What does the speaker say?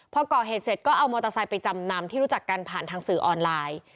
พอก่อเหตุเสร็จก็เอามอเตอร์ไซค์ไปจำนำที่รู้จักกันผ่านทางสื่อออนไลน์